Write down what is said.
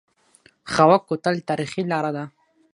خاوک کوتل تاریخي لاره ده؟